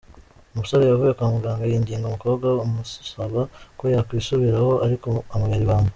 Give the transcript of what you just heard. Umusore yavuye kwa muganga yinginga umukobwa amusaba ko yakwisubiraho ariko amubera ibamba.